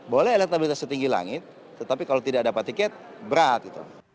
boleh elektabilitas setinggi langit tetapi kalau tidak dapat tiket berat gitu